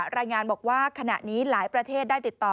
รายงานบอกว่าขณะนี้หลายประเทศได้ติดต่อ